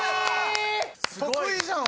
得意じゃん